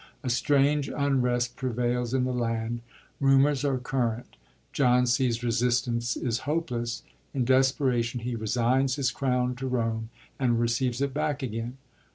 A strange unrest prevails in the land ; rumours are current. John sees resistance is hopeless. In desperation he resigns his crown to Bome, and receives it back again.